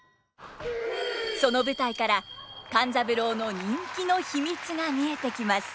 その舞台から勘三郎の人気の秘密が見えてきます。